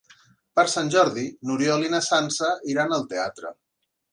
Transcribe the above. Per Sant Jordi n'Oriol i na Sança iran al teatre.